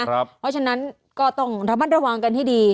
เพราะฉะนั้นก็ต้องระมัดระวังกันให้ดี